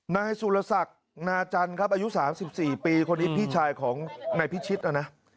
นายสุรศักดิ์นาจันทร์ครับอายุ๓๔ปีคนนี้พี่ชายของนายพิชิตนะนะ